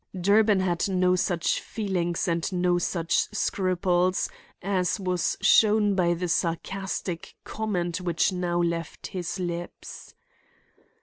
Durbin had no such feelings and no such scruples, as was shown by the sarcastic comment which now left his lips.